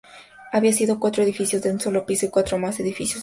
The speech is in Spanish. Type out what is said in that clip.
Había solo cuatro edificios de un solo piso y cuatro o más edificios históricos.